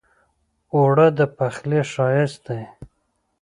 اوړه د پخلي ښايست دی